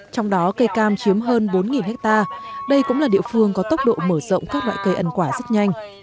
trong đó cây cam chiếm hơn bốn hectare đây cũng là địa phương có tốc độ mở rộng các loại cây ăn quả rất nhanh